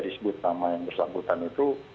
disebut sama yang bersanggota itu